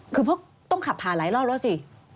คือเพราะต้องขับผ่านหลายรอบแล้วสิ